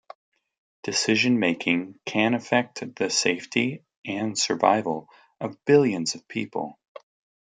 Decision-making can affect the safety and survival of billions of people.